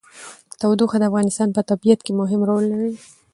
تودوخه د افغانستان په طبیعت کې مهم رول لري.